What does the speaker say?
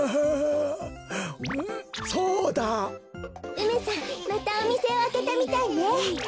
梅さんまたおみせをあけたみたいね。